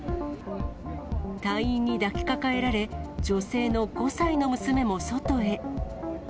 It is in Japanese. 隊員に抱きかかえられ、女性の５歳の娘も外へ。